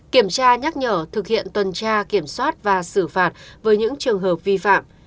kiểm tra nhắc nhở thực hiện tuần tra kiểm soát và xử phạt với những trường hợp vi phạm